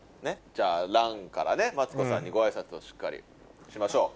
じゃランからマツコさんにご挨拶をしっかりしましょう。